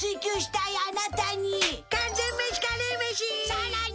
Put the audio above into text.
さらに！